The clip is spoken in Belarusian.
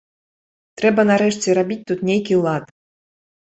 Трэба нарэшце рабіць тут нейкі лад.